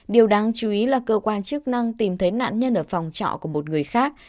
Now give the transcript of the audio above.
điều đáng chú ý là cơ quan chức năng tìm thấy nạn nhân ở phòng trọ của một người khác